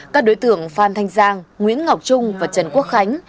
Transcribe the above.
các đối tượng phan thanh giang nguyễn ngọc trung và trần quốc khánh